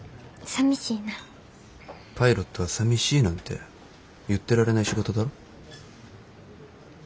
パイロットはさみしいなんて言ってられない仕事だろ。